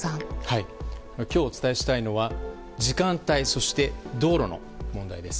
今日お伝えしたいのは時間帯そして道路の問題です。